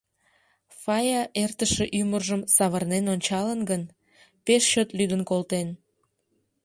Фая эртыше ӱмыржым савырнен ончалын гын, пеш чот лӱдын колтен.